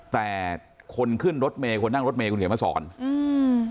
แต่คนขึ้นรถเมย์คนนั่งรถเมย์คุณเขียนมาสอนอืม